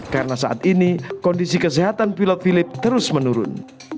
karena saat ini kondisi kesehatan pilot philips terus menurun